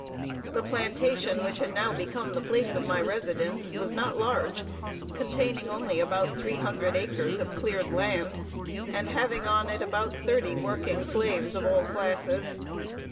The plantation, which had now become the place of my residence, was not large, containing only about three hundred acres of cleared land, and having on it about thirty working slaves of all classes.